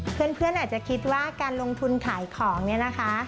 เพื่อนอาจจะคิดว่าการลงทุนขายของเนี่ยนะคะ